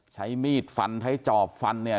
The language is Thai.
ใช้มีดฟันใช้จอบฟันเนี่ย